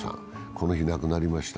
この日、亡くなりました。